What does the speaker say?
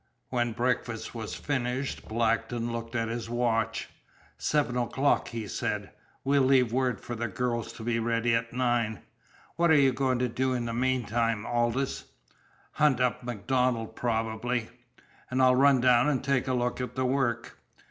When breakfast was finished Blackton looked at his watch. "Seven o'clock," he said. "We'll leave word for the girls to be ready at nine. What are you going to do meantime, Aldous?" "Hunt up MacDonald, probably." "And I'll run down and take a look at the work."